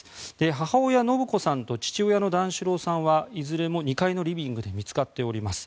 母親の延子さんと父親の段四郎さんはいずれも２階のリビングで見つかっています。